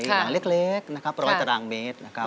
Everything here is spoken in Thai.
หลายเล็กนะครับร้อยตรางเมตรนะครับ